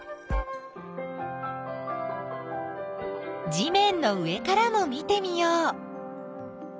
地めんの上からも見てみよう。